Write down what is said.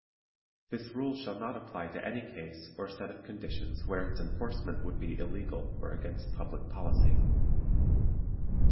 This rule shall not apply to any case or set of conditions where its enforcement would be illegal or against public policy.